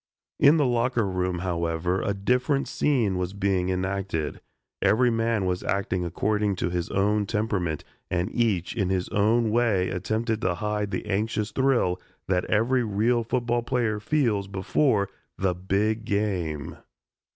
In the locker room, however, a different scene was being enacted. Every man was acting according to his own temperament and each in his own way attempted to hide the anxious thrill that every real football player feels before "the big game."